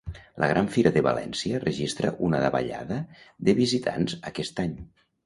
La Gran Fira de València registra una davallada de visitants aquest any